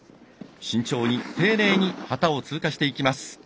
慎重に丁寧に旗を通過していきます。